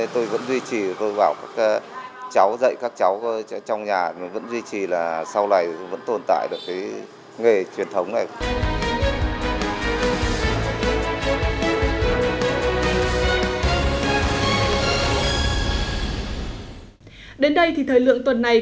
tôi vẫn duy trì tôi bảo các cháu dạy các cháu trong nhà vẫn duy trì là sau này vẫn tồn tại được cái nghề truyền thống này